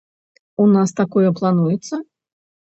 У нас такое плануецца?